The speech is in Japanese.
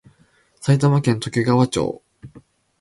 埼玉県ときがわ町